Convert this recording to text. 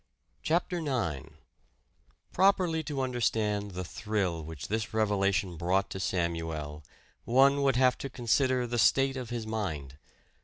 CHAPTER IX Properly to understand the thrill which this revelation brought to Samuel, one would have to consider the state of his mind.